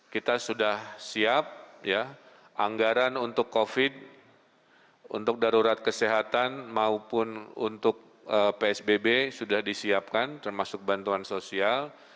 kita sudah siap anggaran untuk covid untuk darurat kesehatan maupun untuk psbb sudah disiapkan termasuk bantuan sosial